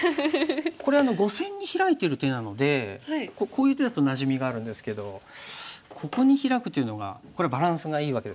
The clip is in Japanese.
これは５線にヒラいてる手なのでこういう手だとなじみがあるんですけどここにヒラくというのがこれはバランスがいいわけですかこの手は。